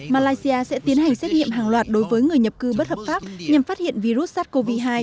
malaysia sẽ tiến hành xét nghiệm hàng loạt đối với người nhập cư bất hợp pháp nhằm phát hiện virus sars cov hai